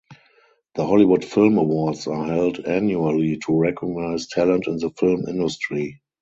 The Hollywood Film Awards are held annually to recognize talent in the film industry.